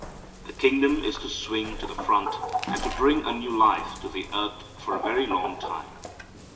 The kingdom is to swing to the front, and bring a new life to the earth for a very long time.